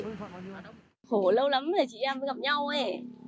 khổ lâu lắm rồi chị em gặp nhau ấy